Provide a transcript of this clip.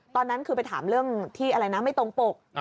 ตอนนั้นคือไปถามเรื่องที่อะไรนะไม่ตรงปก